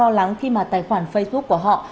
lo lắng khi mà tài khoản facebook của họ